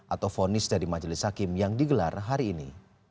atau fonis dari majelis hakim yang digelar hari ini